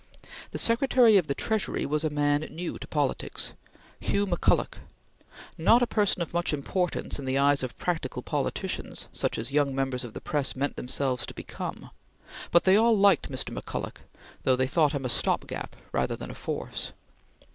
The Secretary of the Treasury was a man new to politics Hugh McCulloch not a person of much importance in the eyes of practical politicians such as young members of the press meant themselves to become, but they all liked Mr. McCulloch, though they thought him a stop gap rather than a force.